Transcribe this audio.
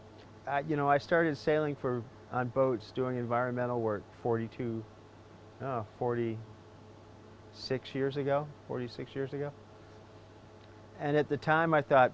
dan pada saat itu saya berpikir kita akan melalui beberapa peraturan baru kita akan membuat kesadaran semua orang tentang pentingnya untuk memiliki lingkungan yang bersih sedikit lebih kuat